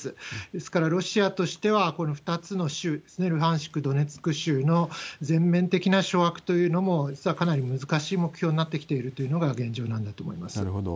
ですから、ロシアとしてはこの２つの州、ルハンシク、ドネツク州の、全面的な掌握というのも、実はかなり難しい目標になってきているというのが現状なんだと思なるほど。